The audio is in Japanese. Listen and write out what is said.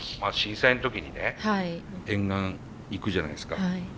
震災の時にね沿岸行くじゃないですか。